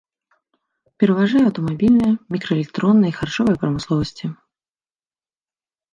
Пераважае аўтамабільная, мікраэлектронная і харчовая прамысловасці.